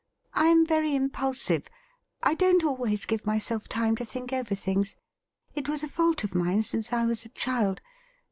I am very impulsive ; I don't always give myself time to think over things. It was a fault of mine since I was a child.